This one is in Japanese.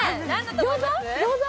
餃子？